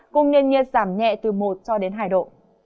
cùng nền nhiệt giảm nhẹ từ một cho đến hai độ